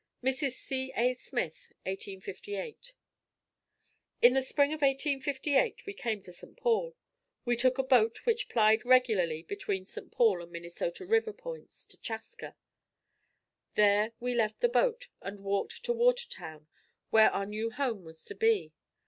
Mrs. C. A. Smith 1858. In the spring of 1858 we came to St. Paul. We took a boat which plied regularly between St. Paul and Minnesota river points, to Chaska. There we left the boat and walked to Watertown where our new home was to be.